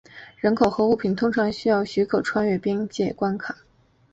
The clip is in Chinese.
人口和物品通常需要许可穿越边界关卡。